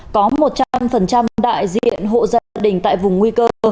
có một trăm linh đại diện hộ gia đình tại vùng nguy cơ